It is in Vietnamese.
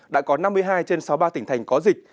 đã có năm mươi hai trên sáu mươi ba tỉnh thành có dịch